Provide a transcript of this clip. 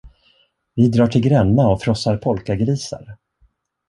Vi drar till Gränna och frossar polkagrisar!